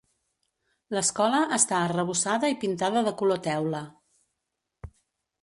L'escola està arrebossada i pintada de color teula.